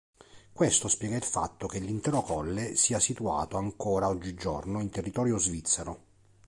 Questo spiega il fatto che l'intero colle sia situato ancora oggigiorno in territorio svizzero.